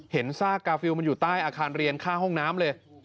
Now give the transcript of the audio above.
ซากกาฟิลมันอยู่ใต้อาคารเรียนข้างห้องน้ำเลย